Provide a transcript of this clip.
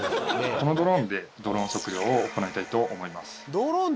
このドローンでドローン測量を行いたいと思います。